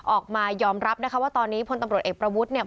ออกมายอมรับนะคะว่าตอนนี้พลตำรวจเอกประวุฒิเนี่ย